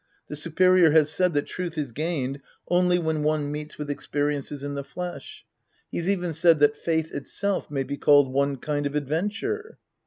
The superior has said that truth is gained only when one meets with ex periences in the flesh. He's even said that faith itself may be called one kind of adventure.